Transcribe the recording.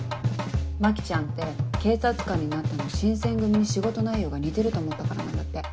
牧ちゃんって警察官になったの新選組に仕事内容が似てると思ったからなんだって。